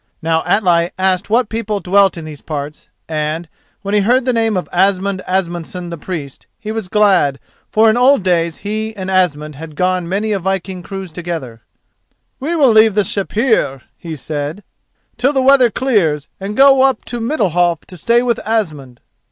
Now Atli asked what people dwelt in these parts, and, when he heard the name of Asmund Asmundson the Priest, he was glad, for in old days he and Asmund had gone many a viking cruise together. "We will leave the ship here," he said, "till the weather clears, and go up to Middalhof to stay with Asmund."